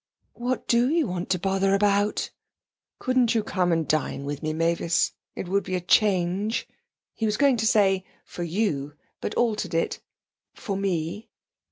'What do you want to bother about?' 'Couldn't you come out and dine with me, Mavis? It would be a change' he was going to say 'for you', but altered it 'for me.'